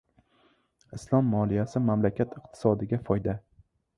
Islom moliyasi — mamlakat iqtisodiga foyda